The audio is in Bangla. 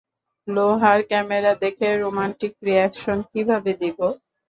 লোহার ক্যামেরা দেখে রোমান্টিক রিয়্যাকশন কিভাবে দিবো?